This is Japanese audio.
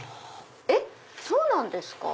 えっそうなんですか？